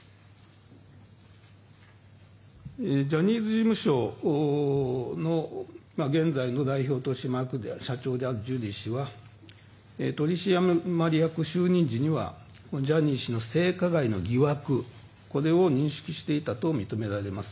ジャニーズ事務所の現在の代表取締役社長であるジュリー氏は、取締役就任時にはジャニー氏の性加害の疑惑を認識していたと認められます。